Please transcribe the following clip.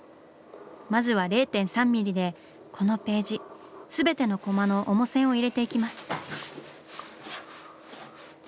まずは０．３ミリでこのページ全てのコマの主線を入れていきます。